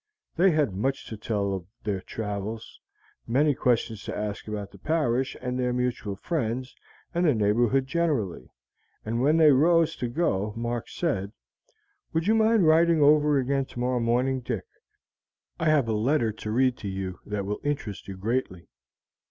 They had much to tell of their travels, many questions to ask about the parish and their mutual friends and the neighborhood generally, and when they rose to go Mark said: "Would you mind riding over again tomorrow morning, Dick? I have a letter to read to you that will interest you greatly."